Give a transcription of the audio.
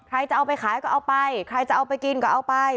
ใครจะเอาไปขายก็เอาไปใครจะเอาไปกินก็เอาไป